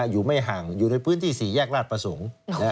อยู่ไม่ห่างอยู่ในพื้นที่๔แยกราชประสงค์